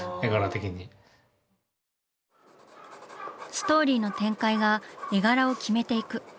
ストーリーの展開が絵柄を決めていく。